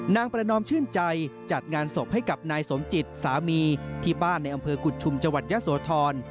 นางประนอมชื่นใจจัดงานศพให้กับนายสมจิตสามีที่บ้านในอำเภอกุฎชุมจังหวัดยะโสธร